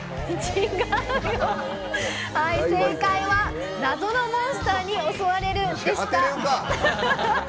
正解は、謎のモンスターに襲われるでした。